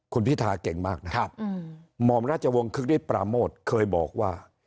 คุณพิธาเก่งมากนะครับหม่อมราชวงศ์คึกฤทธปราโมทเคยบอกว่า